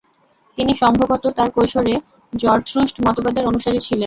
তিনি সম্ভবত তাঁর কৈশোরে জরথ্রুস্ট মতবাদের অনুসারী ছিলেন।